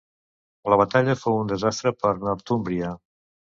La batalla fou un desastre per Northúmbria.